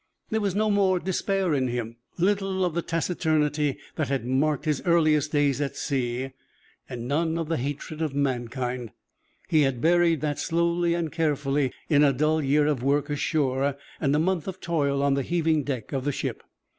There was no more despair in him, little of the taciturnity that had marked his earliest days at sea, none of the hatred of mankind. He had buried that slowly and carefully in a dull year of work ashore and a month of toil on the heaving deck of the ship.